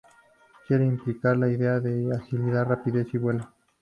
Quiere implicar la idea de agilidad, rapidez, y vuelo.